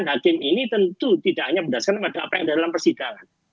hakim ini tentu tidak hanya berdasarkan pada apa yang ada dalam persidangan